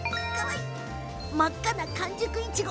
真っ赤な完熟いちご。